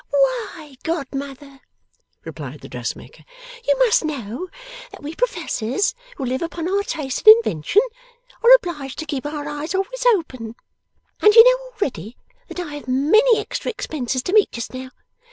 'Why, godmother,' replied the dressmaker, 'you must know that we Professors who live upon our taste and invention, are obliged to keep our eyes always open. And you know already that I have many extra expenses to meet just now.